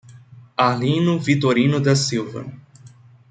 Arlindo Vitorino da Silva